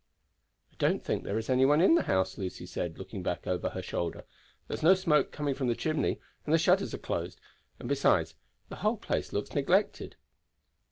"I don't think there is any one in the house," Lucy said, looking back over her shoulder; "there is no smoke coming from the chimney, and the shutters are closed, and besides the whole place looks neglected."